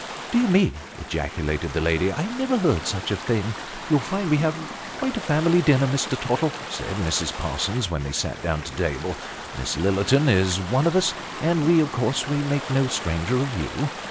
" Dear me !" ejaculated the lady, " I never heard of such a thing." " You'll find we have quite a family dinner, Mr. Tottle," said Mrs. Parsons, when they sat down to table :" Miss Lillerton is one of us, and, of course, we make no stranger of you."